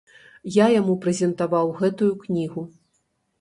Я яму прэзентаваў гэтую кнігу.